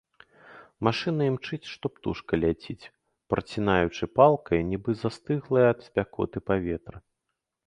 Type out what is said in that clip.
Машына імчыць, што птушка ляціць, працінаючы палкае, нібы застыглае ад спякоты паветра.